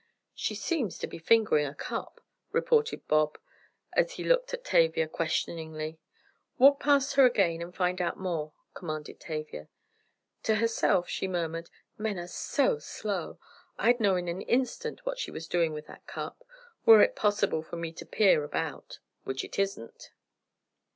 "She seems to be fingering a cup," reported Bob, as he looked at Tavia, questioningly. "Walk past her again and find out more," commanded Tavia. To herself she murmured: "Men are so slow, I'd know in an instant what she's doing with that cup, were it possible for me to peer about; which it isn't."